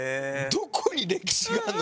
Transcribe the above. どこに歴史があるの？